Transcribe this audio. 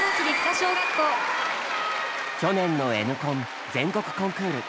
去年の「Ｎコン」全国コンクール。